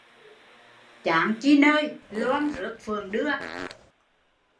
Chán chi nơi loan rước phượng đưa